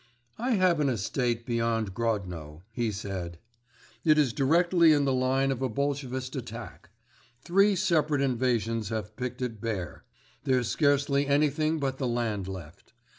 "I have an estate beyond Grodno," he said. "It is directly in the line of a Bolshevist attack. Three separate invasions have picked it bare. There's scarcely anything but the land left.